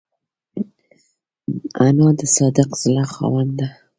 انا د صادق زړه خاوند ده